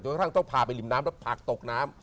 กระทั่งต้องพาไปริมน้ำแล้วผักตกน้ำ